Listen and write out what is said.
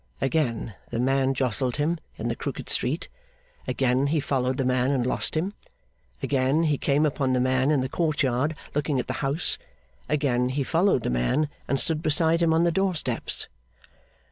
Again the man jostled him in the crooked street, again he followed the man and lost him, again he came upon the man in the court yard looking at the house, again he followed the man and stood beside him on the door steps.